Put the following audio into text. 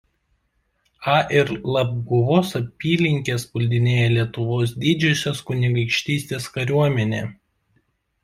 A ir Labguvos apylinkes puldinėjo Lietuvos Didžiosios Kunigaikštystės kariuomenė.